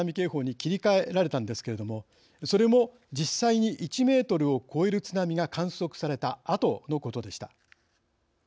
切り替えられましたがそれも実際に１メートルを超える津波が観測されたあとのことでした。